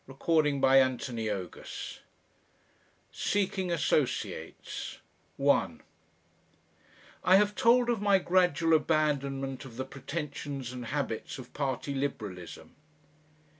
CHAPTER THE SECOND ~~ SEEKING ASSOCIATES 1 I have told of my gradual abandonment of the pretensions and habits of party Liberalism.